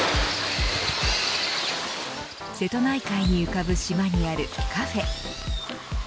瀬戸内海に浮かぶ島にあるカフェ。